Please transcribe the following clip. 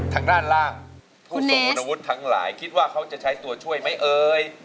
ทางด้านล่างผู้ทรงคุณวุฒิทั้งหลายคิดว่าเขาจะใช้ตัวช่วยไหมเอ่ย